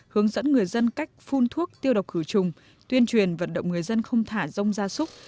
hướng dẫn người dân cách phun thuốc tiêu độc khử trùng tuyên truyền vận động người dân không thả rông gia súc